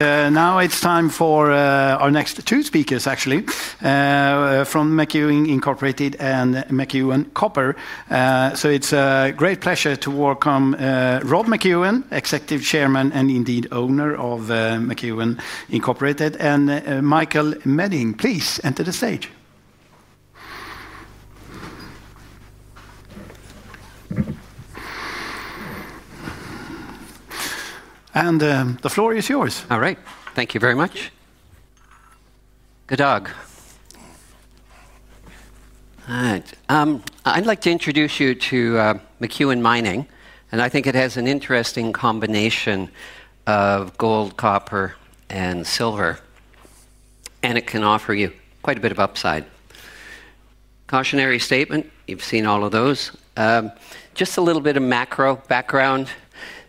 Now it's time for our next two speakers, actually, from McEwen Inc. and McEwen Copper. It's a great pleasure to welcome Rob McEwen, Executive Chairman and indeed owner of McEwen Inc., and Michael Meding. Please enter the stage. The floor is yours. All right, thank you very much. I'd like to introduce you to McEwen Mining, and I think it has an interesting combination of gold, copper, and silver, and it can offer you quite a bit of upside. Cautionary statement, you've seen all of those. Just a little bit of macro background.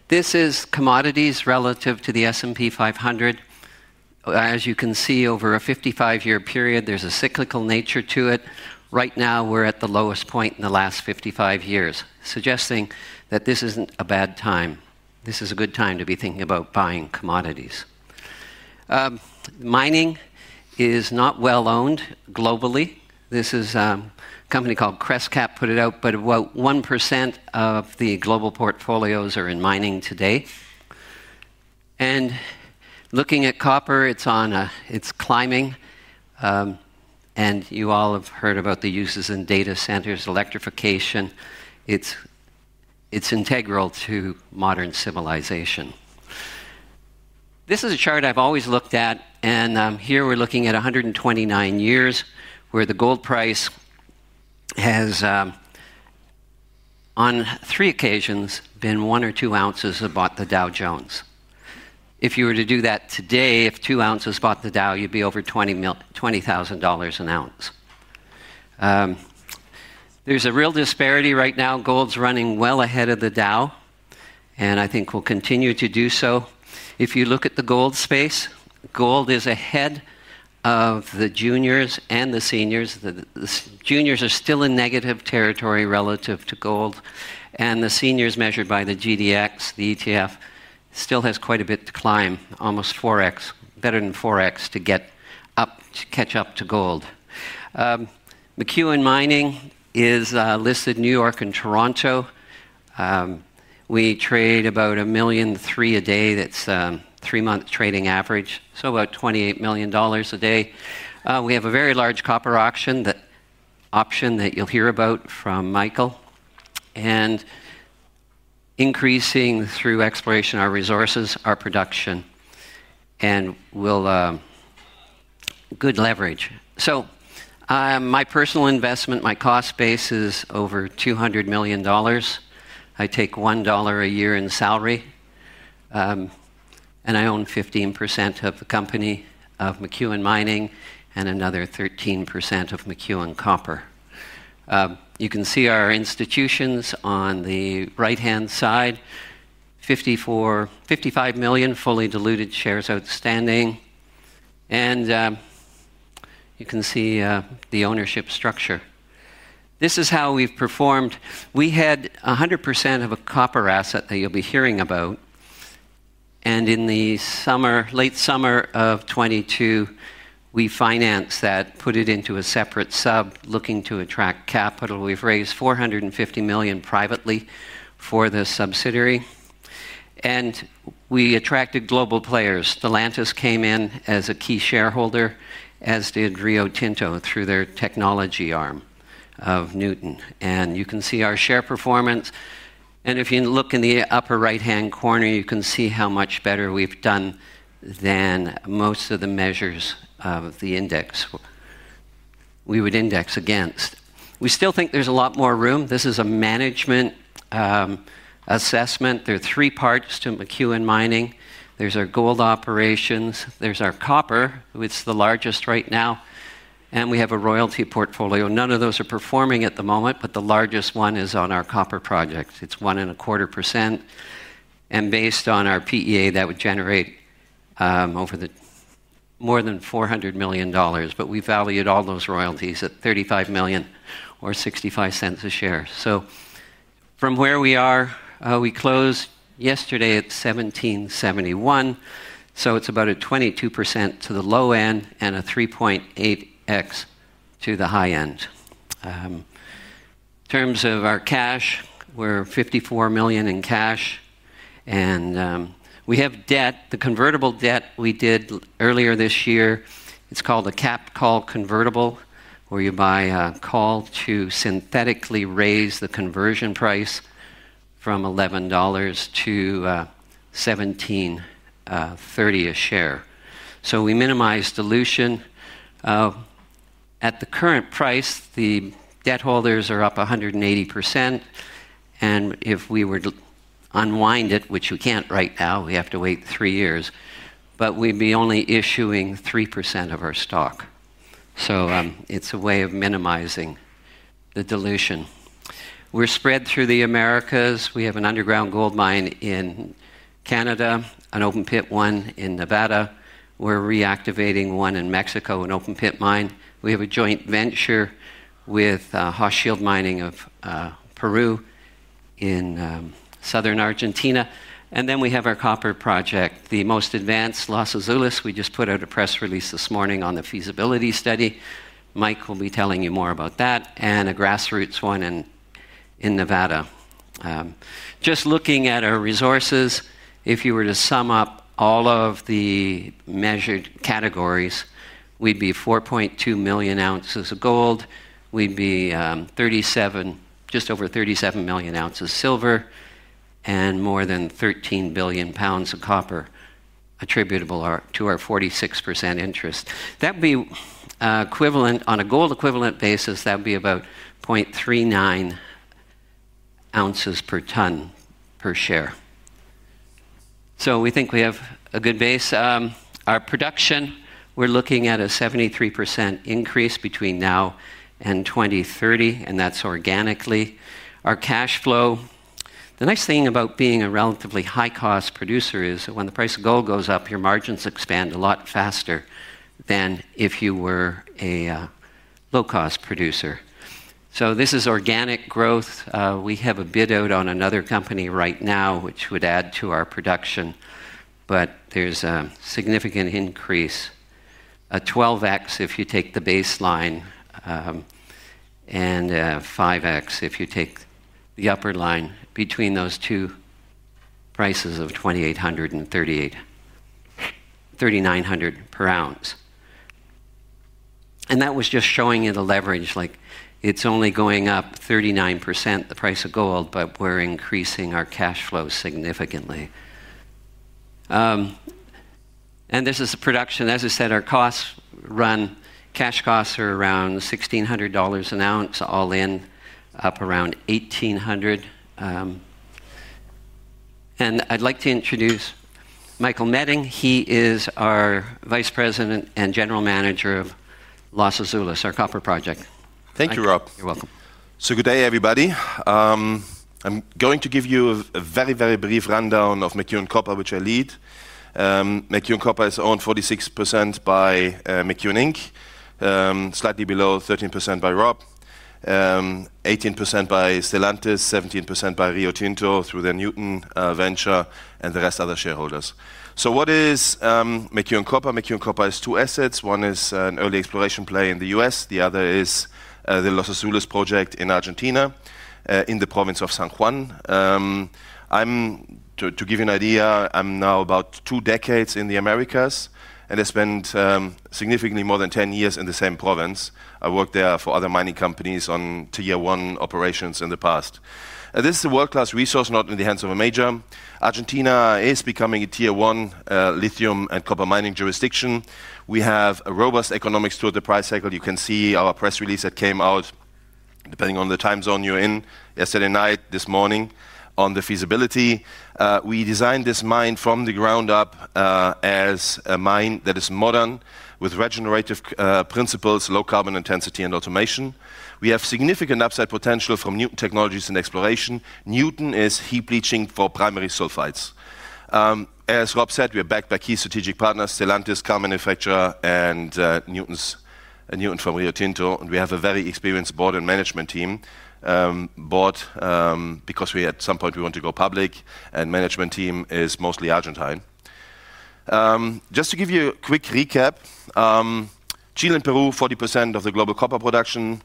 This is commodities relative to the S&P 500. As you can see, over a 55-year period, there's a cyclical nature to it. Right now, we're at the lowest point in the last 55 years, suggesting that this isn't a bad time. This is a good time to be thinking about buying commodities. Mining is not well owned globally. This is a company called Crescat that put it out, but about 1% of the global portfolios are in mining today. Looking at copper, it's climbing, and you all have heard about the uses in data centers, electrification. It's integral to modern civilization. This is a chart I've always looked at, and here we're looking at 129 years where the gold price has, on three occasions, been one or two ounces above the Dow Jones. If you were to do that today, if two ounces bought the Dow, you'd be over $20,000 an ounce. There's a real disparity right now. Gold's running well ahead of the Dow, and I think we'll continue to do so. If you look at the gold space, gold is ahead of the juniors and the seniors. The juniors are still in negative territory relative to gold, and the seniors, measured by the GDX, the ETF, still have quite a bit to climb, almost 4x, better than 4x, to catch up to gold. McEwen Mining is listed in New York and Toronto. We trade about $1,003,000 a day. That's a three-month trading average, so about $28 million a day. We have a very large copper option that you'll hear about from Michael, and increasing through exploration of our resources, our production, and good leverage. My personal investment, my cost base, is over $200 million. I take $1 a year in salary, and I own 15% of the company of McEwen Mining and another 13% of McEwen Copper. You can see our institutions on the right-hand side, 55 million fully diluted shares outstanding, and you can see the ownership structure. This is how we've performed. We had 100% of a copper asset that you'll be hearing about, and in the late summer of 2022, we financed that, put it into a separate sub looking to attract capital. We've raised $450 million privately for the subsidiary, and we attracted global players. Stellantis came in as a key shareholder, as did Rio Tinto through their technology arm of Nuton. You can see our share performance, and if you look in the upper right-hand corner, you can see how much better we've done than most of the measures of the index we would index against. We still think there's a lot more room. This is a management assessment. There are three parts to McEwen Mining. There's our gold operations, there's our copper, which is the largest right now, and we have a royalty portfolio. None of those are performing at the moment, but the largest one is on our copper projects. It's 1.25%, and based on our PEA, that would generate more than $400 million, but we valued all those royalties at $35 million or $0.65 a share. From where we are, we closed yesterday at $17.71, so it's about a 22% to the low end and a 3.8x to the high end. In terms of our cash, we're $54 million in cash, and we have debt, the convertible debt we did earlier this year. It's called a cap call convertible, where you buy a call to synthetically raise the conversion price from $11-$17.30 a share. We minimize dilution. At the current price, the debt holders are up 180%, and if we were to unwind it, which we can't right now, we have to wait three years, but we'd be only issuing 3% of our stock. It's a way of minimizing the dilution. We're spread through the Americas. We have an underground gold mine in Canada, an open-pit one in Nevada. We're reactivating one in Mexico, an open-pit mine. We have a joint venture with Hochschild Mining of Peru in southern Argentina. We have our copper project, the most advanced, Los Azules. We just put out a press release this morning on the feasibility study. Mike will be telling you more about that, and a grassroots one in Nevada. Just looking at our resources, if you were to sum up all of the measured categories, we'd be 4.2 million ounces of gold, we'd be just over 37 million ounces of silver, and more than 13 billion pounds of copper attributable to our 46% interest. That would be equivalent, on a gold equivalent basis, to about 0.39 ounces per ton per share. We think we have a good base. Our production, we're looking at a 73% increase between now and 2030, and that's organically. Our cash flow, the nice thing about being a relatively high-cost producer is that when the price of gold goes up, your margins expand a lot faster than if you were a low-cost producer. This is organic growth. We have a bid out on another company right now, which would add to our production, but there's a significant increase, a 12x if you take the baseline and a 5x if you take the upper line between those two prices of $2,800, $3,900 per ounce. That was just showing you the leverage, like it's only going up 39%, the price of gold, but we're increasing our cash flow significantly. This is a production, as I said, our costs run, cash costs are around $1,600 an ounce all in, up around $1,800. I'd like to introduce Michael Meding. He is our Vice President and General Manager of Los Azules, our copper project. Thank you, Rob. You're welcome. Good day, everybody. I'm going to give you a very, very brief rundown of McEwen Copper, which I lead. McEwen Copper is owned 46% by McEwen Inc., slightly below, 13% by Rob, 18% by Stellantis, 17% by Rio Tinto through their Nuton Venture, and the rest are other shareholders. What is McEwen Copper? McEwen Copper has two assets. One is an early exploration play in the U.S. The other is the Los Azules project in Argentina, in the province of San Juan. To give you an idea, I'm now about two decades in the Americas, and I spent significantly more than 10 years in the same province. I worked there for other mining companies on Tier 1 operations in the past. This is a world-class resource not in the hands of a major. Argentina is becoming a Tier 1 lithium and copper mining jurisdiction. We have a robust economic stood at the price cycle. You can see our press release that came out, depending on the time zone you're in, yesterday night, this morning, on the feasibility. We designed this mine from the ground up as a mine that is modern with regenerative principles, low carbon intensity, and automation. We have significant upside potential from new technologies and exploration. Nuton is heap leaching for primary sulfides. As Rob said, we are backed by key strategic partners, Stellantis, car manufacturer, and Nuton from Rio Tinto, and we have a very experienced board and management team, board because at some point we want to go public, and the management team is mostly Argentine. Just to give you a quick recap, Chile and Peru, 40% of the global copper production.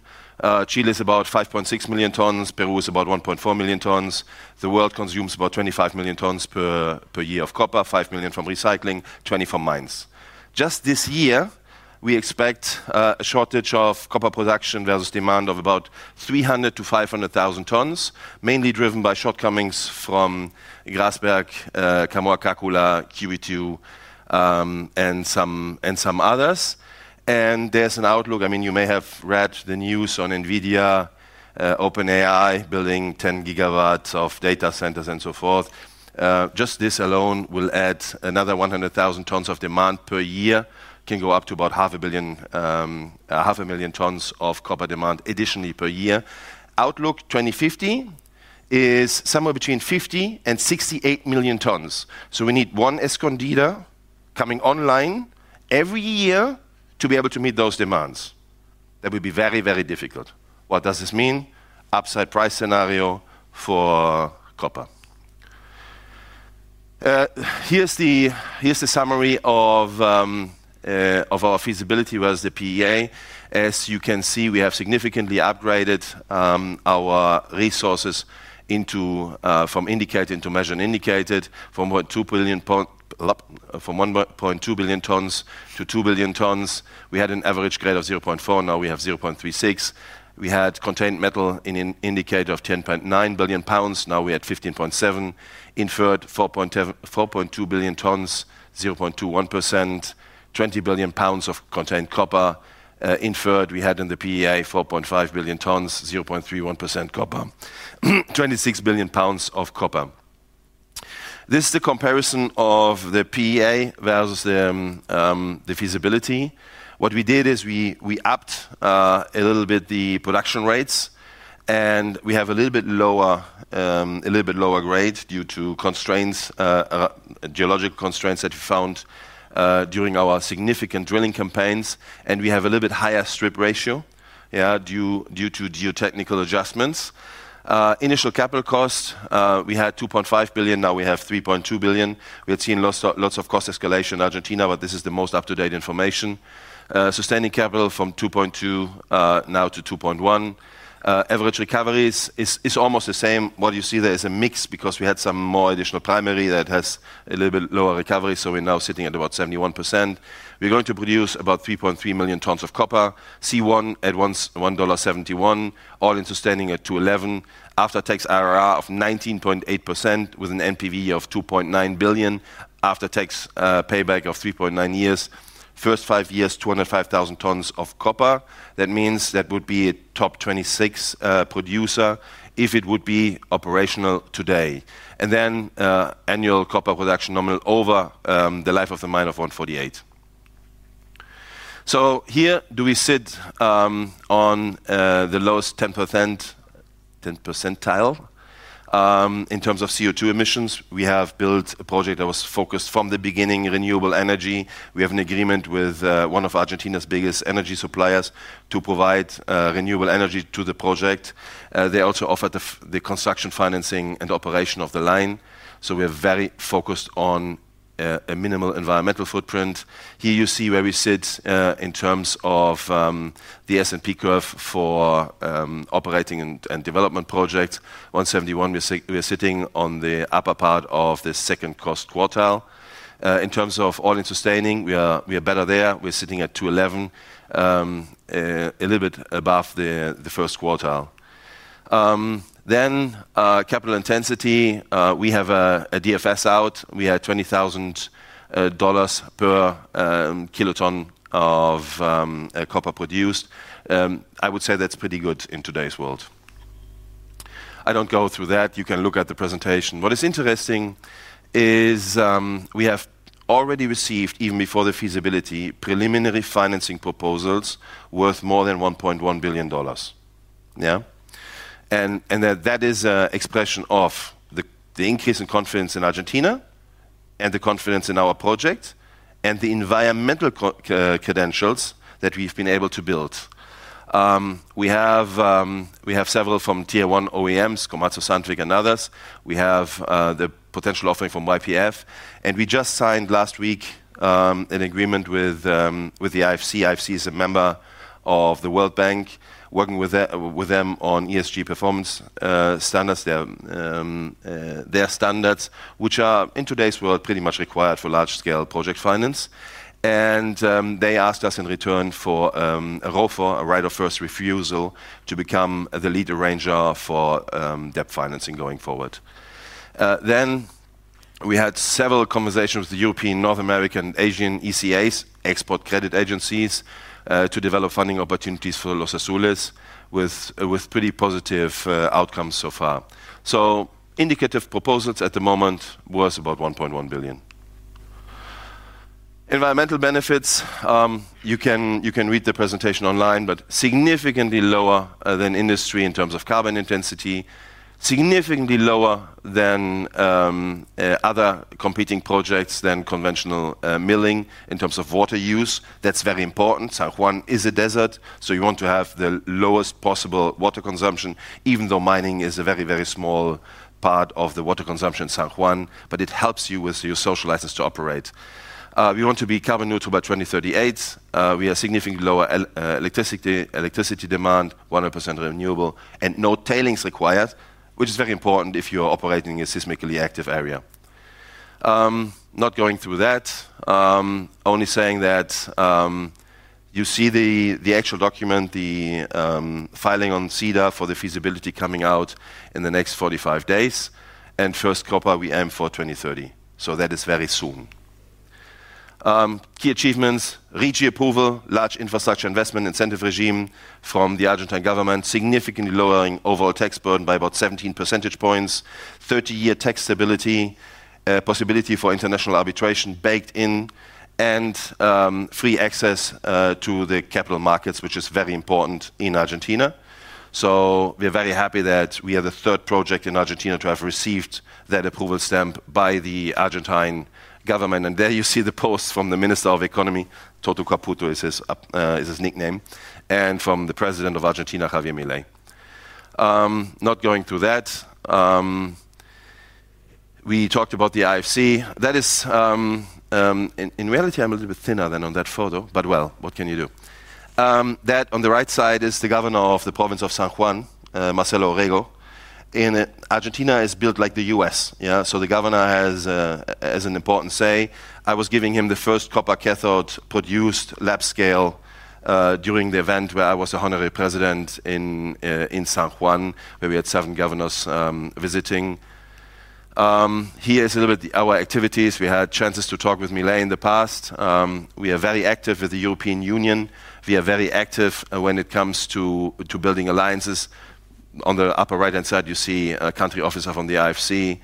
Chile is about 5.6 million tons. Peru is about 1.4 million tons. The world consumes about 25 million tons per year of copper, 5 million from recycling, 20 from mines. This year, we expect a shortage of copper production versus demand of about 300,000 tons-500,000 tons, mainly driven by shortcomings from Grasberg, Kamoa-Kakula, QE2, and some others. There's an outlook. You may have read the news on NVIDIA, OpenAI building 10 GW of data centers and so forth. Just this alone will add another 100,000 tons of demand per year. It can go up to about half a million tons of copper demand additionally per year. Outlook 2050 is somewhere between 50 millon tons and 68 million tons. We need one Escondida coming online every year to be able to meet those demands. That would be very, very difficult. What does this mean? Upside price scenario for copper. Here's the summary of our feasibility versus the PEA. As you can see, we have significantly upgraded our resources from indicated to measured indicated from 1.2 billion tons to 2 billion tons. We had an average grade of 0.4. Now we have 0.36. We had contained metal in an indicator of 10.9 billion pounds. Now we're at 15.7. Inferred 4.2 billion tons, 0.21%. 20 billion pounds of contained copper. Inferred, we had in the PEA 4.5 billion tons, 0.31% copper. 26 billion pounds of copper. This is the comparison of the PEA versus the feasibility. What we did is we upped a little bit the production rates, and we have a little bit lower grade due to geologic constraints that we found during our significant drilling campaigns, and we have a little bit higher strip ratio due to geotechnical adjustments. Initial capital cost, we had $2.5 billion. Now we have $3.2 billion. We've seen lots of cost escalation in Argentina, but this is the most up-to-date information. Sustaining capital from $2.2 billion now to $2.1 billion. Average recovery is almost the same. What you see there is a mix because we had some more additional primary that has a little bit lower recovery, so we're now sitting at about 71%. We're going to produce about 3.3 million tons of copper. C1 at $1.71, all-in sustaining at $2.11. After-tax IRR of 19.8% with an after-tax NPV of $2.9 billion. After-tax payback of 3.9 years. First five years, 205,000 tons of copper. That means that would be a top 26 producer if it would be operational today. Annual copper production nominal over the life of the mine of 148,000 tons. Here we sit on the lowest 10% percentile in terms of CO2 emissions. We have built a project that was focused from the beginning on renewable energy. We have an agreement with one of Argentina's biggest energy suppliers to provide renewable energy to the project. They also offer the construction financing and operation of the line. We are very focused on a minimal environmental footprint. Here you see where we sit in terms of the S&P curve for operating and development projects. $1.71, we're sitting on the upper part of the second cost quartile. In terms of all-in sustaining, we are better there. We're sitting at $2.11, a little bit above the first quartile. Capital intensity, we have a definitive feasibility study out. We had $20,000 per kiloton of copper produced. I would say that's pretty good in today's world. I don't go through that. You can look at the presentation. What is interesting is we have already received, even before the feasibility, preliminary financing proposals worth more than $1.1 billion. Yeah. That is an expression of the increase in confidence in Argentina and the confidence in our project and the environmental credentials that we've been able to build. We have several from Tier 1 OEMs, Komatsu, Sandvik, and others. We have the potential offering from YPF. We just signed last week an agreement with the IFC. The IFC is a member of the World Bank Group, working with them on ESG performance standards, their standards, which are in today's world pretty much required for large-scale project finance. They asked us in return for a ROFO, a Right of First Refusal, to become the lead arranger for debt financing going forward. We had several conversations with the European, North American, and Asian ECAs, export credit agencies, to develop funding opportunities for Los Azules with pretty positive outcomes so far. Indicative proposals at the moment are worth about $1.1 billion. Environmental benefits, you can read the presentation online, but significantly lower than industry in terms of carbon intensity, significantly lower than other competing projects, than conventional milling in terms of water use. That's very important. San Juan is a desert, so you want to have the lowest possible water consumption, even though mining is a very, very small part of the water consumption in San Juan, but it helps you with your social license to operate. We want to be carbon neutral by 2038. We have significantly lower electricity demand, 100% renewable, and no tailings required, which is very important if you're operating in a seismically active area. Not going through that, only saying that you see the actual document, the filing on SEDAR for the feasibility coming out in the next 45 days, and first copper, we aim for 2030. That is very soon. Key achievements, RIGI approval, large infrastructure investment incentive regime from the Argentine government, significantly lowering overall tax burden by about 17 percentage points, 30-year tax stability, possibility for international arbitration baked in, and free access to the capital markets, which is very important in Argentina. We are very happy that we are the third project in Argentina to have received that approval stamp by the Argentine government. There you see the post from the Minister of Economy, Toto Caputo is his nickname, and from the President of Argentina, Javier Milei. Not going through that. We talked about the IFC. That is, in reality, I'm a little bit thinner than on that photo, but what can you do? On the right side is the Governor of the Province of San Juan, Marcelo Orrego. Argentina is built like the U.S. The Governor has an important say. I was giving him the first copper cathode produced lab scale during the event where I was the Honorary President in San Juan, where we had seven governors visiting. Here are a little bit of our activities. We had chances to talk with Milei in the past. We are very active with the European Union. We are very active when it comes to building alliances. On the upper right-hand side, you see a Country Officer from the IFC.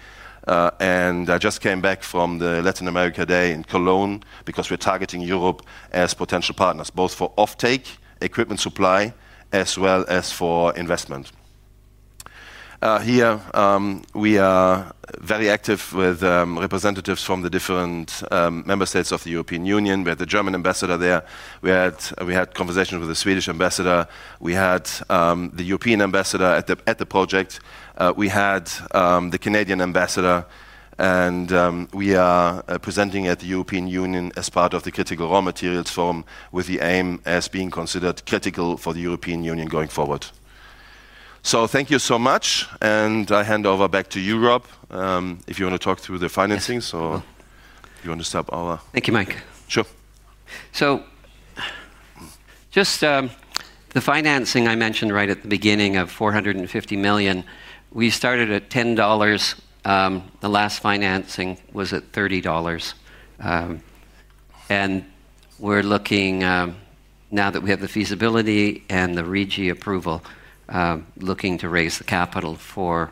I just came back from the Latin America Day in Cologne because we're targeting Europe as potential partners, both for off-take equipment supply as well as for investment. Here, we are very active with representatives from the different member states of the European Union. We had the German Ambassador there. We had conversations with the Swedish Ambassador. We had the European Ambassador at the project. We had the Canadian Ambassador. We are presenting at the European Union as part of the Critical Raw Materials Forum with the aim as being considered critical for the European Union going forward. Thank you so much. I hand over back to you, Rob, if you want to talk through the financing. You want to stop over? Thank you, Mike. Sure. Just the financing I mentioned right at the beginning of $450 million. We started at $10. The last financing was at $30. We're looking, now that we have the feasibility and the RIGI approval, to raise the capital for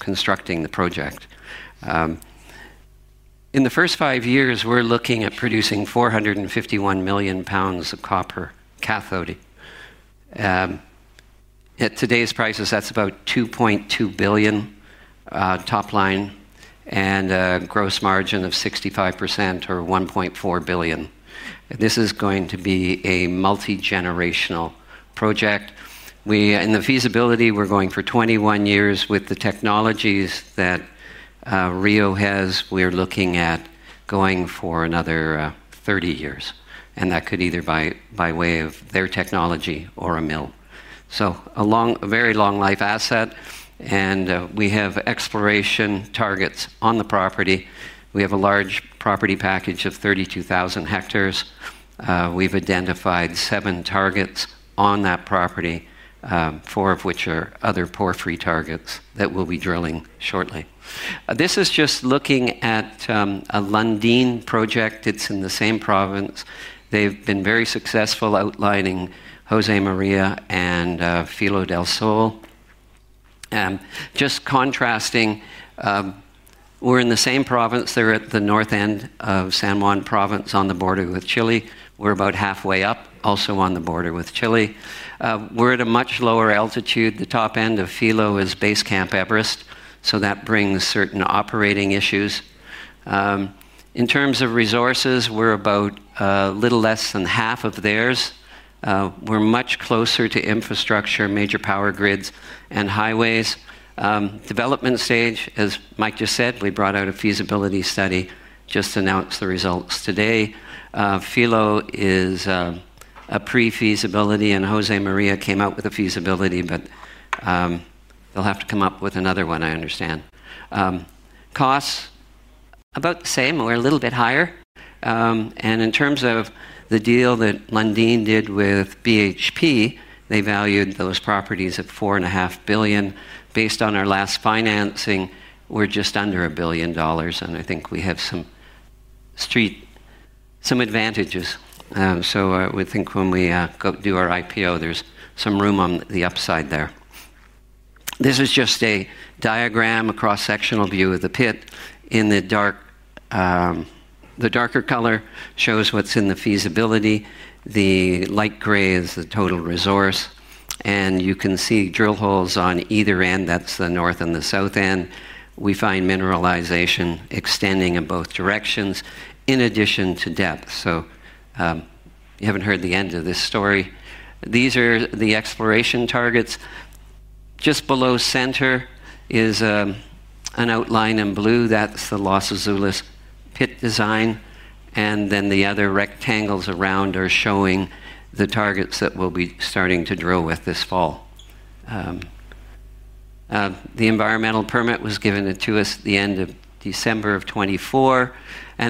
constructing the project. In the first five years, we're looking at producing 451 million pounds of copper cathode. At today's prices, that's about $2.2 billion top line, and a gross margin of 65% or $1.4 billion. This is going to be a multigenerational project. In the feasibility, we're going for 21 years. With the technologies that Rio has, we're looking at going for another 30 years. That could either be by way of their technology or a mill. A very long-life asset. We have exploration targets on the property. We have a large property package of 32,000 hectares. We've identified seven targets on that property, four of which are other porphyry targets that we'll be drilling shortly. This is just looking at a Lundin project. It's in the same province. They've been very successful outlining Jose Maria and Filo del Sol. Just contrasting, we're in the same province. They're at the north end of San Juan province on the border with Chile. We're about halfway up, also on the border with Chile. We're at a much lower altitude. The top end of Filo is base camp Everest. That brings certain operating issues. In terms of resources, we're about a little less than half of theirs. We're much closer to infrastructure, major power grids, and highways. Development stage, as Michael Meding just said, we brought out a feasibility study just to announce the results today. Filo is a pre-feasibility, and Jose Maria came out with a feasibility, but they'll have to come up with another one, I understand. Costs, about the same, or a little bit higher. In terms of the deal that Lundin did with BHP, they valued those properties at $4.5 billion. Based on our last financing, we're just under $1 billion. I think we have some advantages. I would think when we do our IPO, there's some room on the upside there. This is just a diagram, a cross-sectional view of the pit. The darker color shows what's in the feasibility. The light gray is the total resource. You can see drill holes on either end. That's the north and the south end. We find mineralization extending in both directions in addition to depth. You haven't heard the end of this story. These are the exploration targets. Just below center is an outline in blue. That's the Los Azules pit design. The other rectangles around are showing the targets that we'll be starting to drill with this fall. The environmental permit was given to us at the end of December of 2024.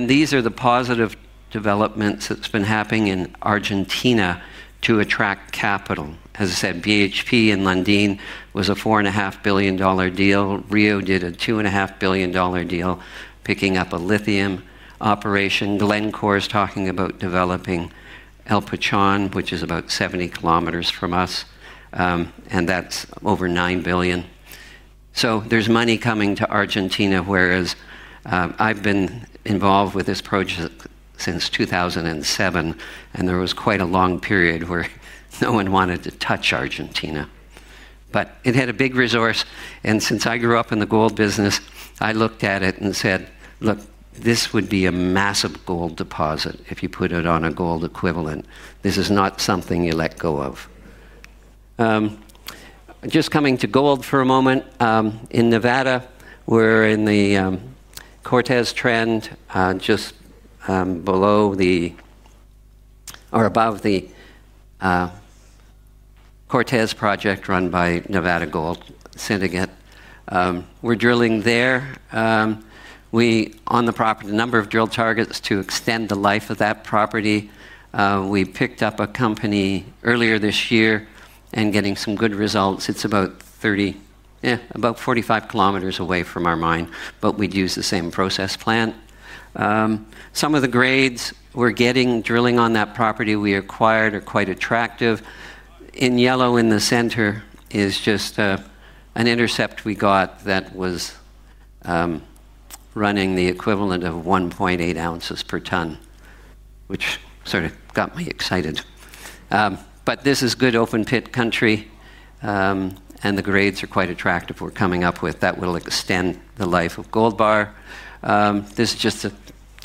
These are the positive developments that've been happening in Argentina to attract capital. As I said, BHP and Lundin was a $4.5 billion deal. Rio did a $2.5 billion deal picking up a lithium operation. Glencore is talking about developing El Pachon, which is about 70 kilometers from us, and that's over $9 billion. There's money coming to Argentina, whereas I've been involved with this project since 2007, and there was quite a long period where no one wanted to touch Argentina. It had a big resource, and since I grew up in the gold business, I looked at it and said, look, this would be a massive gold deposit if you put it on a gold equivalent. This is not something you let go of. Just coming to gold for a moment. In Nevada, we're in the Cortez trend, just below or above the Cortez project run by Nevada Gold Syndicate. We're drilling there. On the property, the number of drill targets to extend the life of that property, we picked up a company earlier this year and getting some good results. It's about 40, yeah, about 45 kilometers away from our mine, but we'd use the same process plant. Some of the grades we're getting drilling on that property we acquired are quite attractive. In yellow in the center is just an intercept we got that was running the equivalent of 1.8 ounces per ton, which sort of got me excited. This is good open-pit country, and the grades are quite attractive. We're coming up with that will extend the life of Gold Bar. This is just a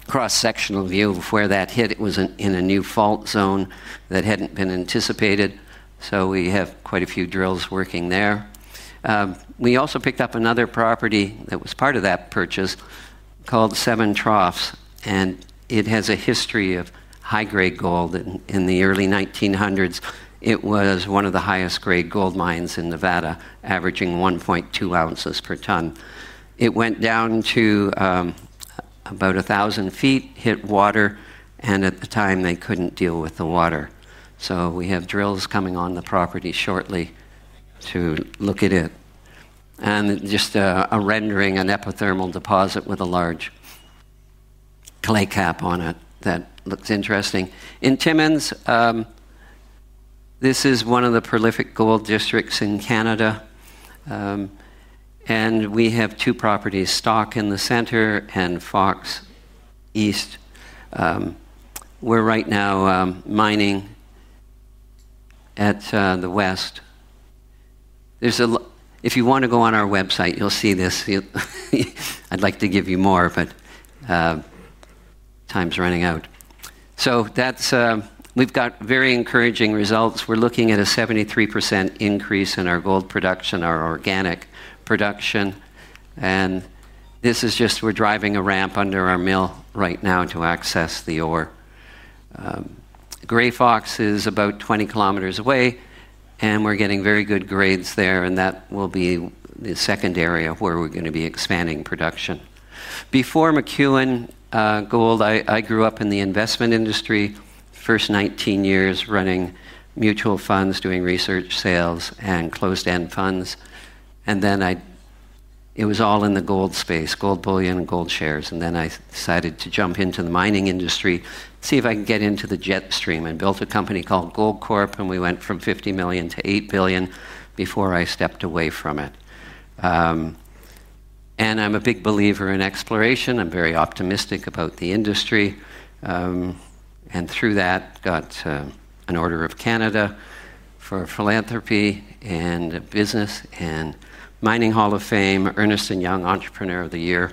cross-sectional view of where that hit. It was in a new fault zone that hadn't been anticipated. We have quite a few drills working there. We also picked up another property that was part of that purchase called Seven Troughs. It has a history of high-grade gold. In the early 1900s, it was one of the highest-grade gold mines in Nevada, averaging 1.2 ounces per ton. It went down to about 1,000 feet, hit water, and at the time, they couldn't deal with the water. We have drills coming on the property shortly to look at it. Just a rendering, an epithermal deposit with a large clay cap on it that looks interesting. In Timmins, this is one of the prolific gold districts in Canada. We have two properties, Stock in the center and Fox East. We're right now mining at the west. If you want to go on our website, you'll see this. I'd like to give you more, but time's running out. We've got very encouraging results. We're looking at a 73% increase in our gold production, our organic production. This is just we're driving a ramp under our mill right now to access the ore. Grey Fox is about 20 kilometers away, and we're getting very good grades there. That will be the second area where we're going to be expanding production. Before McEwen Gold, I grew up in the investment industry, first 19 years running mutual funds, doing research, sales, and closed-end funds. It was all in the gold space, gold bullion and gold shares. I decided to jump into the mining industry, see if I can get into the jet stream, and built a company called Gold Corp. We went from $50 million to $8 billion before I stepped away from it. I'm a big believer in exploration. I'm very optimistic about the industry. Through that, I got an Order of Canada for philanthropy and business and Mining Hall of Fame, Ernest and Young Entrepreneur of the Year.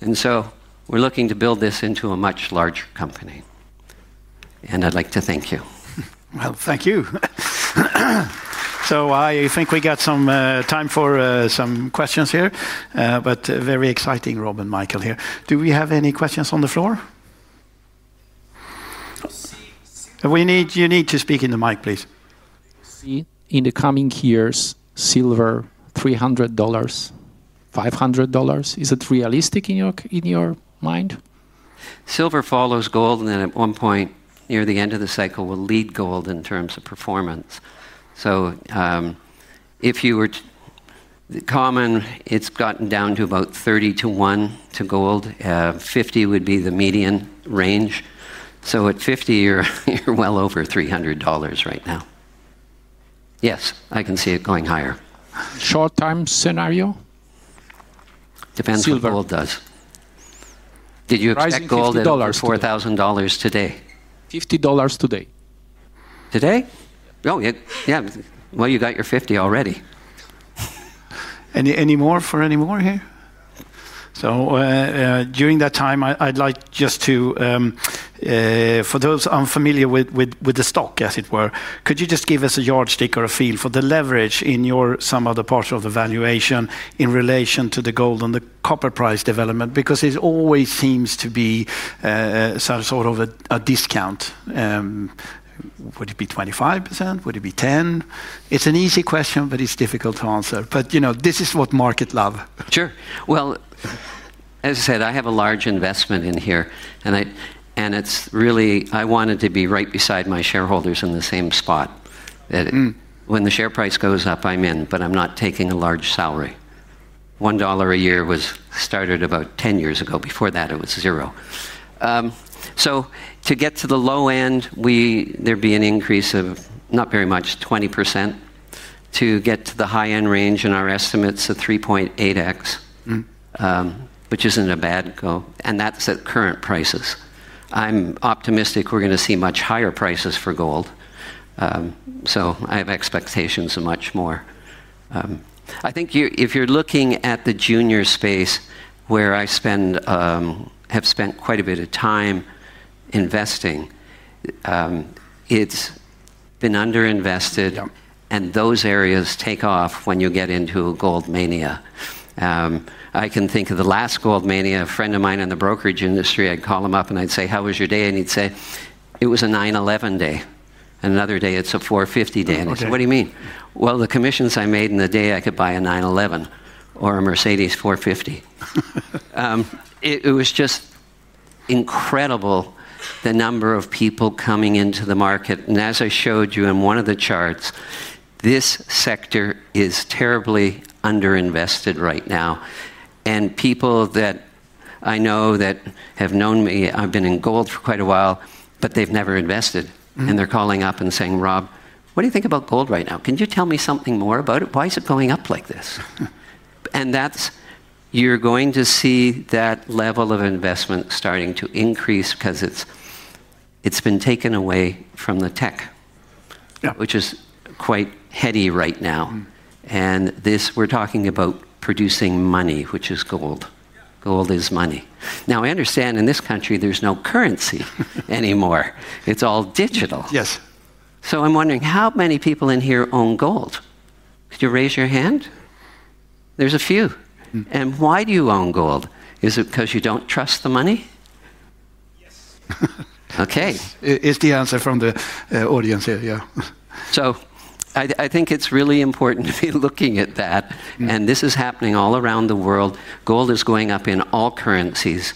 We're looking to build this into a much larger company. I'd like to thank you. Thank you. I think we got some time for some questions here. Very exciting, Rob and Michael here. Do we have any questions on the floor? You need to speak in the mic, please. In the coming years, silver $300, $500, is it realistic in your mind? Silver follows gold, and then at one point near the end of the cycle, it will lead gold in terms of performance. If you were common, it's gotten down to about 30 to 1 to gold. 50 would be the median range. At 50, you're well over $300 right now. Yes, I can see it going higher. Short-term scenario? Depends if gold does. Did you expect gold at $4,000 today? $50 today. Today? Oh, yeah. You got your $50 already. Any more for any more here? During that time, I'd like just to, for those unfamiliar with the stock, as it were, could you just give us a yardstick or a feel for the leverage in your some other part of the valuation in relation to the gold and the copper price development? It always seems to be some sort of a discount. Would it be 25%? Would it be 10%? It's an easy question, but it's difficult to answer. You know, this is what markets love. Sure. As I said, I have a large investment in here. It's really, I wanted to be right beside my shareholders in the same spot. When the share price goes up, I'm in, but I'm not taking a large salary. $1 a year started about 10 years ago. Before that, it was $0. To get to the low end, there'd be an increase of not very much, 20%. To get to the high-end range in our estimates, a 3.8x, which isn't a bad go. That's at current prices. I'm optimistic we're going to see much higher prices for gold. I have expectations of much more. I think if you're looking at the junior space, where I have spent quite a bit of time investing, it's been underinvested, and those areas take off when you get into a gold mania. I can think of the last gold mania, a friend of mine in the brokerage industry, I'd call him up and I'd say, how was your day? He'd say, it was a 9/11 day. Another day, it's a 450 day. I said, what do you mean? The commissions I made in the day, I could buy a 9/11 or a Mercedes 450. It was just incredible, the number of people coming into the market. As I showed you in one of the charts, this sector is terribly underinvested right now. People that I know that have known me, I've been in gold for quite a while, but they've never invested. They're calling up and saying, Rob, what do you think about gold right now? Can you tell me something more about it? Why is it going up like this? You're going to see that level of investment starting to increase because it's been taken away from the tech, which is quite heady right now. We're talking about producing money, which is gold. Gold is money. I understand in this country, there's no currency anymore. It's all digital. Yes. I'm wondering, how many people in here own gold? Could you raise your hand? There's a few. Why do you own gold? Is it because you don't trust the money? OK. Is the answer from the audience here? Yeah. I think it's really important to be looking at that. This is happening all around the world. Gold is going up in all currencies,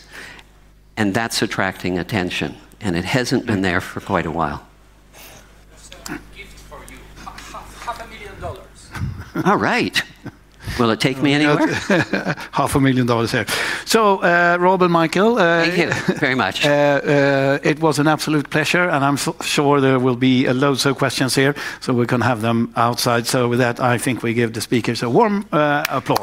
and that's attracting attention. It hasn't been there for quite a while. A gift for you, $0.5 million. All right. Will it take me anywhere? Half a million dollars there. Rob and Michael. Thank you very much. It was an absolute pleasure. I'm sure there will be loads of questions here, so we can have them outside. With that, I think we give the speakers a warm applause.